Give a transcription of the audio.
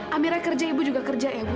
amirnya kerja ibu juga kerja ya bu